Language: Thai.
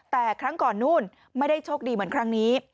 แต่ครั้งก่อนนู่นไม่ได้โชคดีเหมือนครั้งนี้